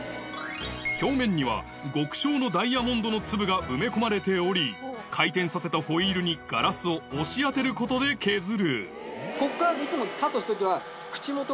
表面には極小のダイヤモンドの粒が埋め込まれており回転させたホイールにガラスを押し当てることで削るこっからいつもカットする時は。